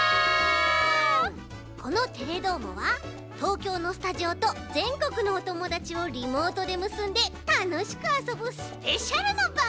この「テレどーも！」は東京のスタジオとぜんこくのおともだちをリモートでむすんでたのしくあそぶスペシャルなばんぐみだち。